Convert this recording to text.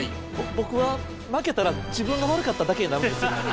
僕は負けたら自分が悪かっただけになるんですよ。